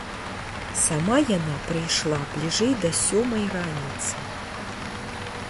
Сама яна прыйшла бліжэй да сёмай раніцы.